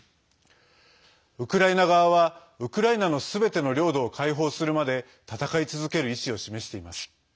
ウクライナ側は、ウクライナのすべての領土を解放するまで戦い続ける意思を示しています。